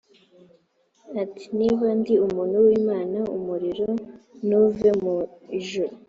ati niba ndi umuntu w imana umuriro nuve mu ijuru